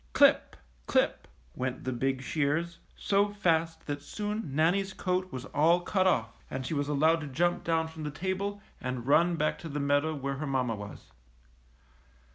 Clip! clip! went the big shears, so fast that soon Nannie's coat was all cut off and she was allowed to jump down from the table and run back to the meadow where her mamma was.